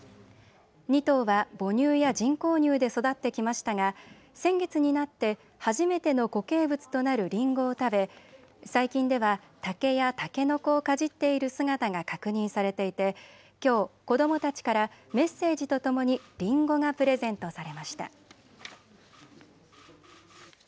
２頭は母乳や人工乳で育ってきましたが先月になって初めての固形物となるリンゴを食べ、最近では竹やタケノコをかじっている姿が確認されていてきょう子どもたちからメッセージとともにリンゴがプレゼントされました。